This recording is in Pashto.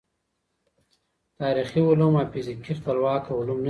تاریخي علوم او فزیک خپلواکه علوم نه دي.